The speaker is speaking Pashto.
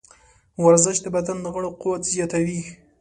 ورزش د بدن د غړو قوت زیاتوي.